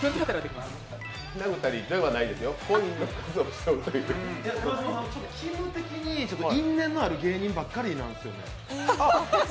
きむ的に、因縁のある芸人ばっかりなんですよ。